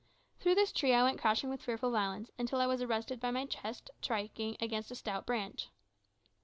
Through this tree I went crashing with fearful violence, until I was arrested by my chest striking against a stout branch.